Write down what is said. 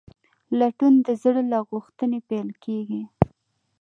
لټون د زړه له غوښتنې پیل کېږي.